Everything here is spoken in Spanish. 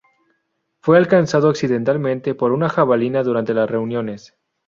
Fue alcanzado accidentalmente por una jabalina durante las reuniones.